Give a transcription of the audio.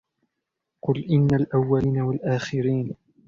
قُلْ إِنَّ الْأَوَّلِينَ وَالْآخِرِينَ